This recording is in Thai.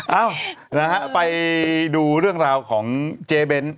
เอ้านะฮะไปดูเรื่องราวของเจเบ้น